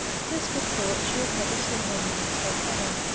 Lisbeth thought she had never seen anything so funny.